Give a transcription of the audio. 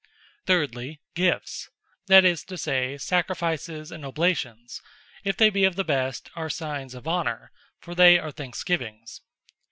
Thirdly, Gifts; that is to say, Sacrifices, and Oblations, (if they be of the best,) are signes of Honour: for they are Thanksgivings.